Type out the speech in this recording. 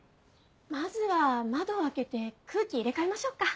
まずは窓を開けて空気入れ替えましょうか。